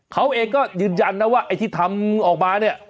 เขาเองก็ยืนยันนะว่าไอ้ที่ทำออกมาเนี่ย